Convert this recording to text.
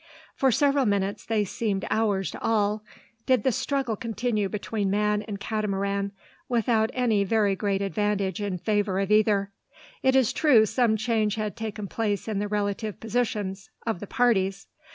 For several minutes they seemed hours to all did the struggle continue between man and Catamaran, without any very great advantage in favour of either. It is true some change had taken place in the relative positions of the parties.